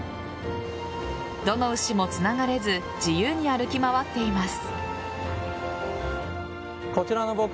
どの牛もつながれず自由に歩き回っています。